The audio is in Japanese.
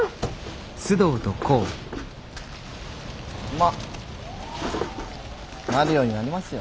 まっなるようになりますよ。